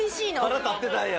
腹立ってたんや？